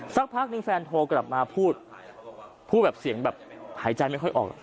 สักพักนึงแฟนโทรกลับมาพูดพูดแบบเสียงแบบหายใจไม่ค่อยออก